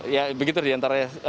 ya begitu diantaranya